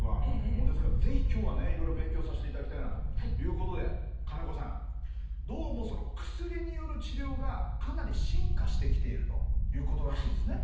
もうですから是非今日はねいろいろ勉強させていただきたいなということで金子さんどうもその薬による治療がかなり進化してきているということらしいですね。